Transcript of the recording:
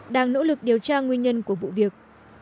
đang nỗ lực điều tra nguyên nhân của vụ việc